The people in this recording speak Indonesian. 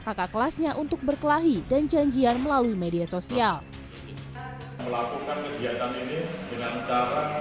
kakak kelasnya untuk berkelahi dan janjian melalui media sosial melakukan kegiatan ini dengan cara